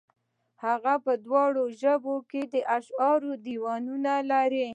هغه په دواړو ژبو کې د اشعارو دېوانونه لري.